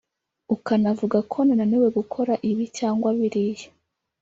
ukanavuga ko nananiwe gukora ibi cyangwa biriya